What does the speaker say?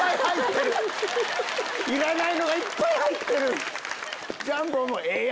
いらないのがいっぱい入ってる！